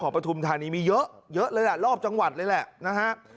ของพระธุมธรรมดิมีเยอะเลยละรอบจังหวัดเลยแหละ